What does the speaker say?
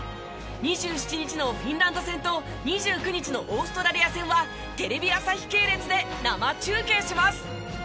２７日のフィンランド戦と２９日のオーストラリア戦はテレビ朝日系列で生中継します。